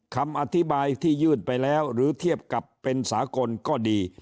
คำอธิบายที่ยื่นไปแล้วหรือเทียบกับเป็นสากลก็ดี